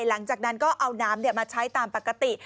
หลังจากนั้นก็เอาน้ำมาใช้ตามปกติ